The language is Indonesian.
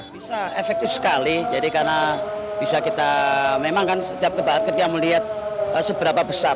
bisa efektif sekali jadi karena bisa kita memang kan setiap kita melihat seberapa besar